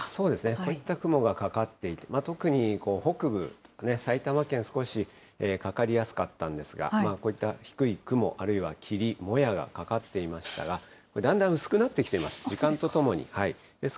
こういった雲がかかっていて、特に北部、埼玉県、少しかかりやすかったんですが、こういった低い雲、あるいは霧、もやがかかっていましたが、これ、だんだん薄くなってきています。